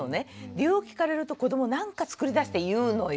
理由を聞かれると子どもは何か作りだして言うのよ。